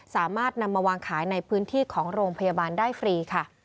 สามารถนำมาวางขายในพื้นที่ของโรงพยาบาลได้ฟรีค่ะ